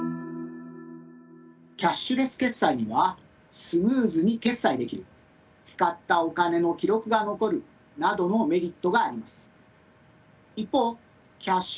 キャッシュレス決済にはスムーズに決済できる使ったお金の記録が残るなどのメリットがあります。